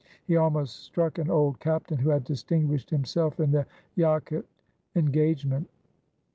He almost struck an old captain who had distinguished himself in the Yaqut en gagement.